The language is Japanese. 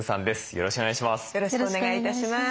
よろしくお願いします。